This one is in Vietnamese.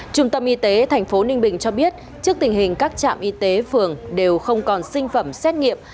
trung tâm y tế thành phố ninh bình cho biết trước tình hình các trạm y tế phường đều không còn sinh phẩm xét nghiệm